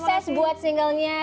sukses buat singlenya